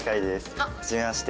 あっ！はじめまして。